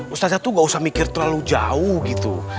ustadz itu gak usah mikir terlalu jauh gitu